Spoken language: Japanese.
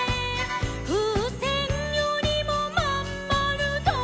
「ふうせんよりもまんまるだ」